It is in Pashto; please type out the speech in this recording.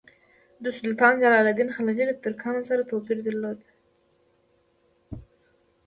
سلطان جلال الدین خلجي له ترکانو سره توپیر درلود.